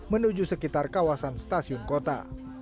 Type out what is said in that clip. menuju sekitar kawasan stasiun kota